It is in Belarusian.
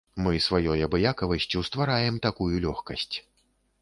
Мы сваёй абыякавасцю ствараем такую лёгкасць.